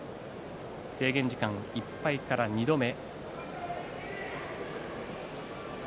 制限時間いっぱいから２度目。